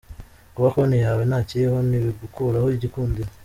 Kuba konti yawe ntakiriho ntibigukuraho igikundiro.